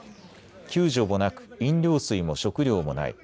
救助もなく飲料水も食料もない。